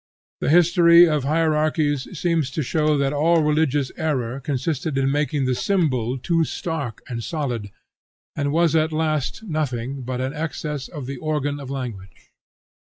The history of hierarchies seems to show that all religious error consisted in making the symbol too stark and solid, and was at last nothing but an excess of the organ of language.